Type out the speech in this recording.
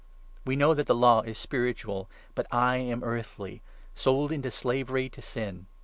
We know that 14 the Law is spiritual, but I am earthly — sold into slavery to Sin.